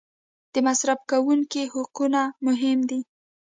د مصرف کوونکي حقونه مهم دي.